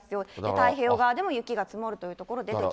太平洋側でも雪が積もるという所出てき